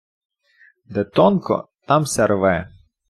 Де тонко, там ся рве.